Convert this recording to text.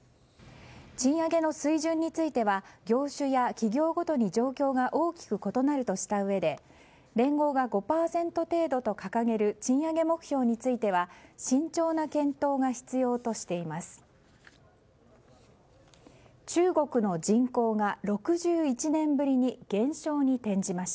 賃上げの水準については業種や企業ごとに状況が大きく異なるとしたうえで連合が５％程度と掲げる賃上げ目標については慎重な検討が必要としています。